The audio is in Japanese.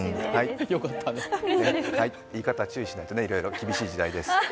言い方、注意しないといろいろ厳しい時代です。